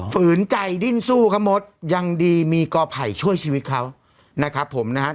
ฝืนใจดิ้นสู้ครับมดยังดีมีกอไผ่ช่วยชีวิตเขานะครับผมนะฮะ